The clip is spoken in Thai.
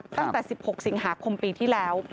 ตั้งแต่๑๖สิงหาคมปีที่แล้ว